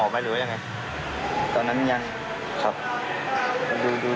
ครับแล้วหมอไปเลยยังไงตอนนั้นยังครับ